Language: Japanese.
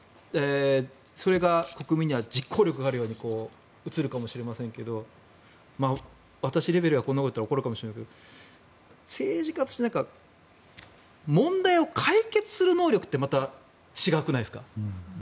それが国民には実行力があるように映るかもしれませんが私レベルがこんなことを言ってはいけないかもしれまんせんが政治家として問題を解決する能力ってまた、違くないですか？